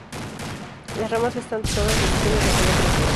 Las ramas están dotadas de espinas de color negro.